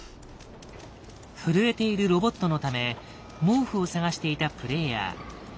震えているロボットのため毛布を探していたプレイヤー。